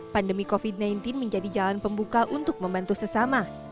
pandemi covid sembilan belas menjadi jalan pembuka untuk membantu sesama